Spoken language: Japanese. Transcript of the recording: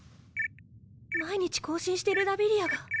毎日更新してるラビリアが。